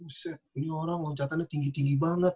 usep ini orang loncatannya tinggi tinggi banget